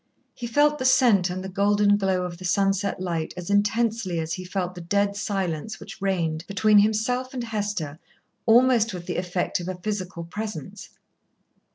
He felt the scent and the golden glow of the sunset light as intensely as he felt the dead silence which reigned between himself and Hester almost with the effect of a physical presence.